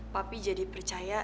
papi jadi percaya